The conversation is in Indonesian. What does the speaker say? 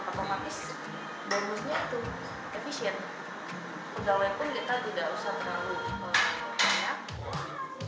udah lepon kita tidak usah terlalu banyak